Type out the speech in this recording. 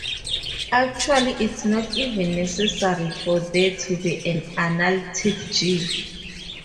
Actually, it's not even necessary for there to be an analytic "g".